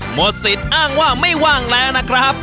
หมดสิทธิ์อ้างว่าไม่ว่างแล้วนะครับ